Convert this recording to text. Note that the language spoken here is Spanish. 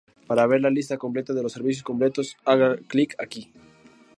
Para ver la lista completa de los servicios completos haga clic aquí.